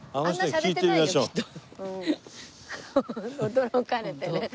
驚かれてね。